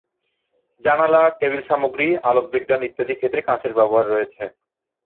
জানালা, টেবিল সামগ্রী, আলোকবিজ্ঞান ইত্যাদি ক্ষেত্রে কাচের ব্যবহার রয়েছে।